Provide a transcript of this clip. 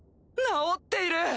治っている！